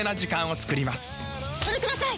それください！